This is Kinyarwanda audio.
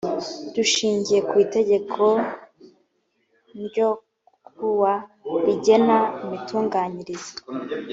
dushingiye ku itegeko n ryo kuwa rigena imitunganyirize